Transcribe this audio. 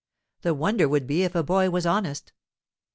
The wonder would be if a boy was honest.